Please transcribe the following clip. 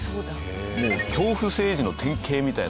もう恐怖政治の典型みたいなもので。